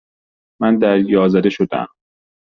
من دریازده شدهام.